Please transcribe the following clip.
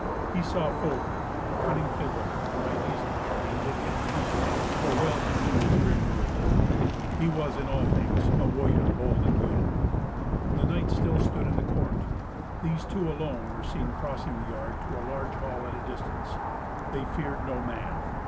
He saw Folker, the cunning fiddler, by Giselher, and bade him come with him, for well he knew his grim mood. He was in all things a warrior bold and good. The knights still stood in the court. These two alone were seen crossing the yard to a large hall at a distance. They feared no man.